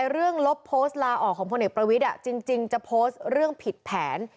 ลบโพสต์ลาออกของพลเอกประวิทย์จริงจะโพสต์เรื่องผิดแผน